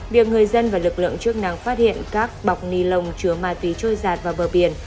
việc người dân và lực lượng chức năng phát hiện các bọc ni lông chứa ma túy trôi giạt vào bờ biển